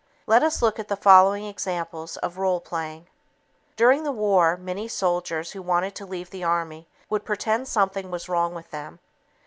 Let us look at the following examples of role playing. During the war, many soldiers who wanted to leave the army would pretend something was wrong with them.